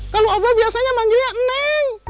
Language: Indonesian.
kalau oboh biasanya manggilnya eneng